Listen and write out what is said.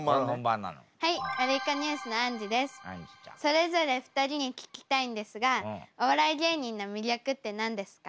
それぞれ２人に聞きたいんですがお笑い芸人の魅力って何ですか？